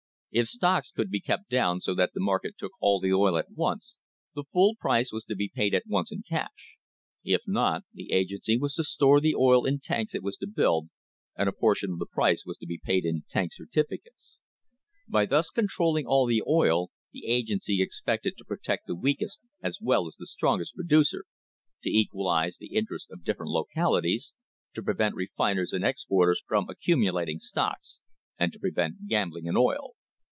If stocks could be kept down so that the market took all of the oil at once, the full price was to be paid at once in cash ; if not, the agency was to store the oil in tanks it was to build, and a portion of the price was to be paid in tank certificates. By thus controlling all the oil, the agency expected to protect the weakest as well as the strongest producer, to equalise the interest of different localities, to prevent refiners and exporters from accumulating stocks, and to prevent gambling in oil.